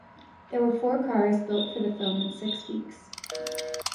There were four cars built for the film in six weeks.